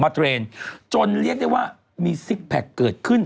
เทรนด์จนเรียกได้ว่ามีซิกแพคเกิดขึ้น